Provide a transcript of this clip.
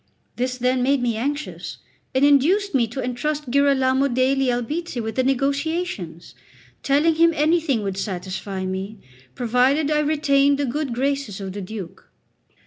This, then, made me anxious, and induced me to entrust Girolamo degli Albizzi with the negotiations, telling him anything would satisfy me provided I retained the good graces of the Duke.